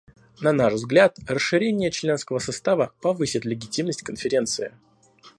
На наш взгляд, расширение членского состава повысит легитимность Конференции.